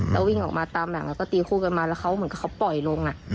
แล้ววิ่งออกมาตามหลังแล้วก็ตีคู่กันมาแล้วเขาเหมือนกับเขาปล่อยลง